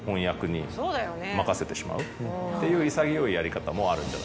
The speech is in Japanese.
っていう潔いやり方もあるんじゃないかな。